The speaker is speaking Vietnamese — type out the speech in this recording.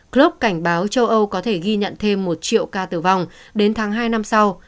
group cảnh báo châu âu có thể ghi nhận thêm một triệu ca tử vong đến tháng hai năm sau